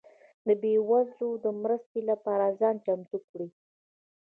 ده بيوزلو ده مرستي لپاره ځان چمتو کړئ